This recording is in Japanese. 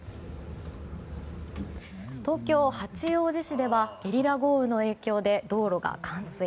東京・八王子市ではゲリラ豪雨の影響で道路が冠水。